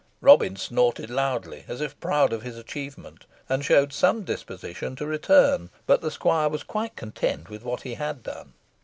Robin snorted loudly, as if proud of his achievement, and showed some disposition to return, but the squire was quite content with what he had done.